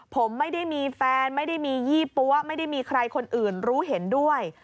ผมไม่ได้มีแฟนไม่ได้มียี่ปั๊วไม่ได้มีใครคนอื่นรู้เห็นด้วย